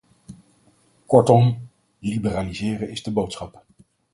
Kortom, liberaliseren is de boodschap.